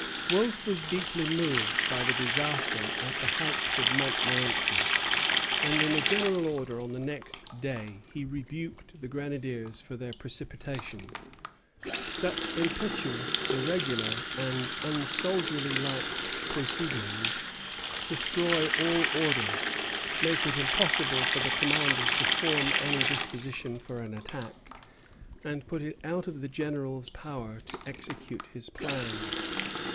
Wolfe was deeply moved by the disaster at the heights of Montmorenci, and in a General Order on the next day he rebuked the grenadiers for their precipitation. "Such impetuous, irregular, and unsoldierlike proceedings destroy all order, make it impossible for the commanders to form any disposition for an attack, and put it out of the general's power to execute his plans.